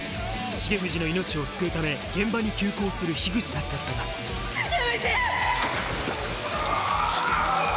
重藤の命を救うため現場に急行する口たちだったがやめて‼ぐあぁ。